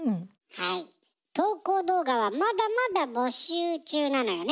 投稿動画はまだまだ募集中なのよね？